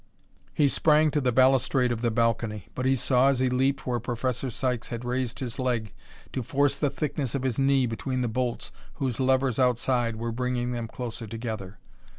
He sprang to the balustrade of the balcony, but he saw as he leaped where Professor Sykes had raised his leg to force the thickness of his knee between the bolts whose levers outside were bringing them closer together.